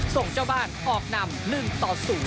ส่งเจ้าบ้านออกนำ๑ต่อ๐